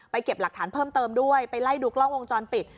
เก็บหลักฐานเพิ่มเติมด้วยไปไล่ดูกล้องวงจรปิด